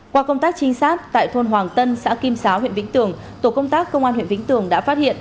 qua công tác trinh sát tại thôn hoàng tân xã kim xá huyện vĩnh tường tổ công tác công an huyện vĩnh tường đã phát hiện